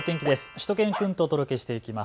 しゅと犬くんとお届けしていきます。